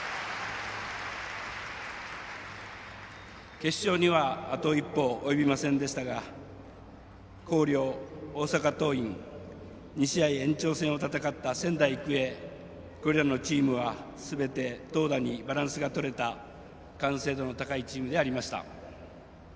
決勝には、あと一歩及びませんでしたが広陵、大阪桐蔭２試合延長戦を戦った仙台育英、これらのチームはすべて投打にバランスがとれた完成度の高いチームでありました。